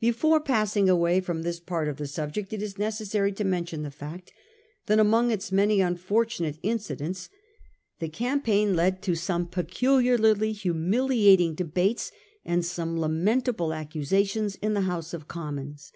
Before pass 1831 . THE GABBLED DESPATCHES. 238 tag away from this part of the subject, it is necessary to mention the fact that among its many unfortunate incidents the campaign led to some peculiarly humili ating debates and some lamentable accusations in the House of Commons.